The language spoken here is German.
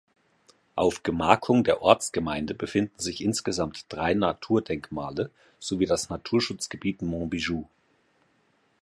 Auf Gemarkung der Ortsgemeinde befinden sich insgesamt drei Naturdenkmale sowie das Naturschutzgebiet Monbijou.